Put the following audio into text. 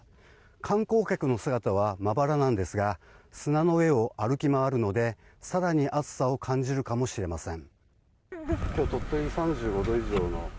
観光客の姿はまばらなんですが砂の上を歩き回るので、更に暑さを感じるかもしれません。